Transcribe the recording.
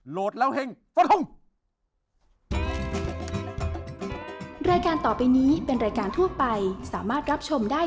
โหลดแล้วเห่งสวัสดีครับ